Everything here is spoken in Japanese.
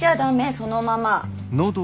そのまま。